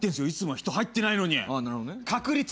いつもは人入ってないのに。